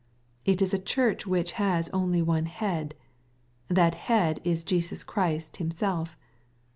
It is a church which .w j*"^ has only one Head. That head is Jesus Christ Himself.